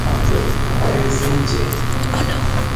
Resende